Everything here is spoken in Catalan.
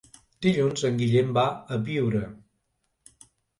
Dilluns en Guillem va a Biure.